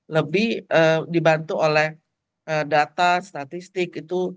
lebih dibantu oleh data statistik itu